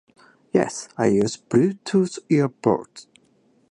Yes, I use Bluetooth earbuds.